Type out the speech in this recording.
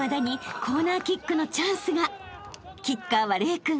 ［キッカーは玲君。